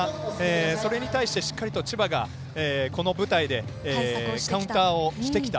それに対してしっかりと千葉がこの舞台でカウンターをしてきた。